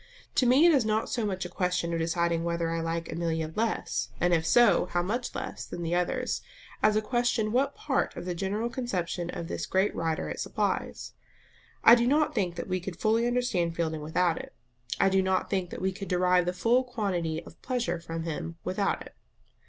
To me it is not so much a question of deciding whether I like Amelia less, and if so, how much less, than the others, as a question what part of the general conception of this great writer it supplies? I do not think that we could fully understand Fielding without it; I do not think that we could derive the full quantity of pleasure from him without it.